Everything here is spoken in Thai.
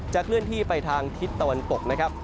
เคลื่อนที่ไปทางทิศตะวันตกนะครับ